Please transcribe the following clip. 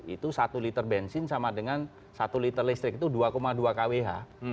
itu satu liter bensin sama dengan satu liter listrik itu dua dua kwh